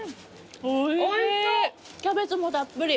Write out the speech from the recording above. おいしいキャベツもたっぷり。